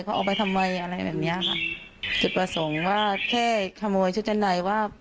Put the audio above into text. เขาเอาไปทำไมอะไรแบบเนี้ยค่ะจุดประสงค์ว่าแค่ขโมยชุดชั้นในว่า